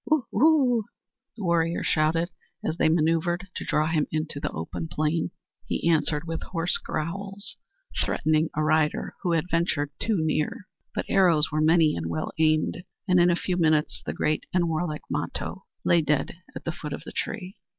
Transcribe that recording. "Woo! woo!" the warriors shouted, as they maneuvered to draw him into the open plain. He answered with hoarse growls, threatening a rider who had ventured too near. But arrows were many and well aimed, and in a few minutes the great and warlike Mato lay dead at the foot of the tree.